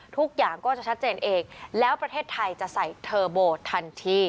ทุกอย่างก็จะชัดเจนเองแล้วประเทศไทยจะใส่เทอร์โบทันที